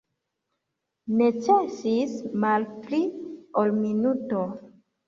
Necesis malpli ol minuto